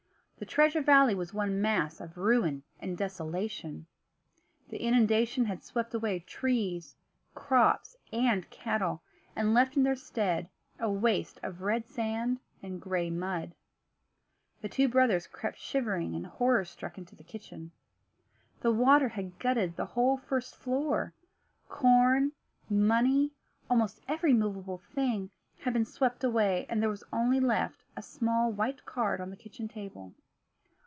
The Treasure Valley was one mass of ruin and desolation. The inundation had swept away trees, crops, and cattle, and left in their stead a waste of red sand and gray mud. The two brothers crept shivering and horror struck into the kitchen. The water had gutted the whole first floor; corn, money, almost every movable thing, had been swept away and there was left only a small white card on the kitchen table.